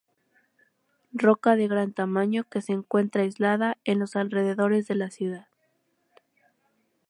Roca de gran tamaño que se encuentra aislada en los alrededores de la ciudad.